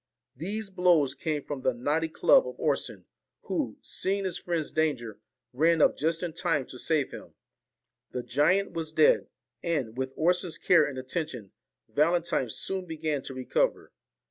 These blows came from the knotty club of Orson, who, seeing his friend's danger, ran up just in time to save him. The giant was dead ; and, with Orson's care and attention, Valentine soon began to recover.